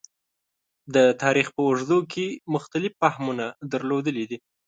د تاریخ په اوږدو کې مختلف فهمونه درلودلي دي.